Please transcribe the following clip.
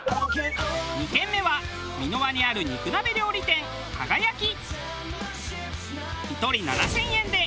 ２軒目は三ノ輪にある肉鍋料理店かがやき。